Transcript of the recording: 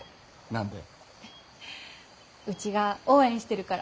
何で？